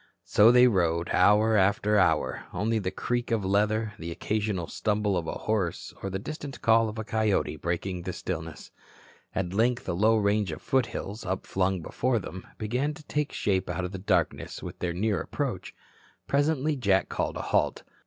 So they rode hour after hour, only the creak of leather, the occasional stumble of a horse or the distant call of a coyote breaking the stillness. At length a low range of foothills, upflung before them, began to take shape out of the darkness with their near approach. Presently Jack called a halt.